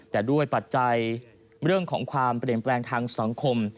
แต่ด้วยปัจจัยเรื่องของความเปลี่ยนแปลงทางสังคม